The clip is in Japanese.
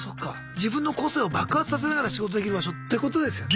自分の個性を爆発させながら仕事できる場所ってことですよね。